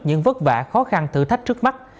những vất vả khó khăn thử thách trước mắt